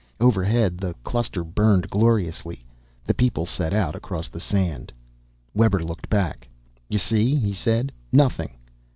Overhead the cluster burned gloriously. The people set out across the sand. Webber looked back. "You see?" he said. "Nothing."